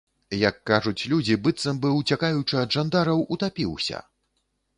Як кажуць людзі, быццам бы, уцякаючы ад жандараў, утапіўся!